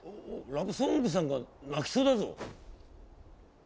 ラブソングさんが鳴きそうだぞ。